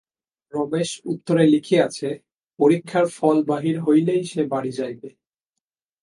রমেশ উত্তরে লিখিয়াছে, পরীক্ষার ফল বাহির হইলেই সে বাড়ি যাইবে।